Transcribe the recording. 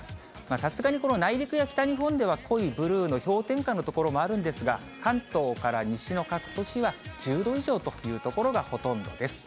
さすがに内陸や北日本では氷点下の所もあるんですが、関東から西の各都市は１０度以上という所がほとんどです。